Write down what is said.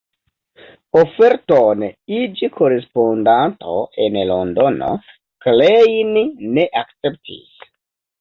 Oferton iĝi korespondanto en Londono Klein ne akceptis.